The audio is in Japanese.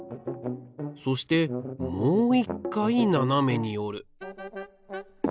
そしてもう１回ななめにおる。